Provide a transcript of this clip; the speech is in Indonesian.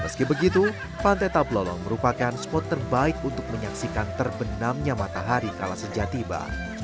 meski begitu pantai taplolong merupakan spot terbaik untuk menyaksikan terbenamnya matahari kalas senjatiba